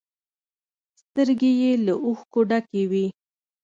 سترگې يې له اوښکو ډکې وې.